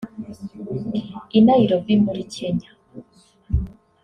I Nairobi muri Kenya